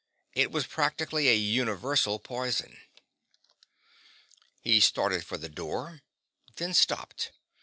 It was practically a universal poison. Hal started for the door, then stopped.